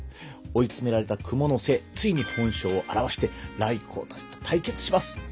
追い詰められた蜘蛛の精ついに本性を現して頼光たちと対決します。